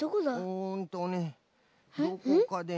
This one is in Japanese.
うんとねどこかでね。